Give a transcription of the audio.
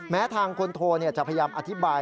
แม้ทางคนโทจะพยายามอธิบาย